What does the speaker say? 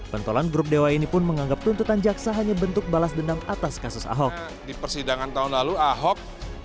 pentolan grup dewa ini pun menganggap tuntutan jaksa hanya bentuk balas dendam atas kasus ahok